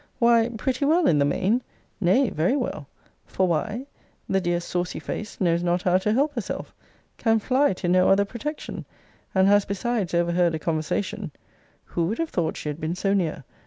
Why, pretty well in the main. Nay, very well. For why? the dear saucy face knows not how to help herself. Can fly to no other protection. And has, besides, overheard a conversation [who would have thought she had been so near?